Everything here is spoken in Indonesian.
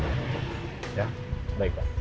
ya baik pak